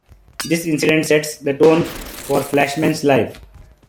This incident sets the tone for Flashman's life.